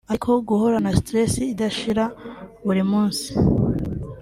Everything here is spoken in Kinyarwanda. ariko guhorana stress idashira buri munsi